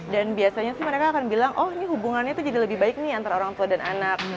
dan biasanya sih mereka akan bilang oh ini hubungannya tuh jadi lebih baik nih antara orang tua dan anak